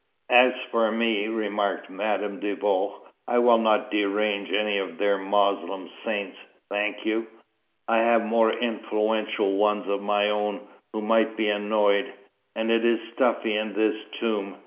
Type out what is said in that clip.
"As for me," remarked Madame de Vaux, "I will not derange any of their Moslem saints, thank you. I have more influential ones of my own, who might be annoyed. And it is stuffy in this tomb.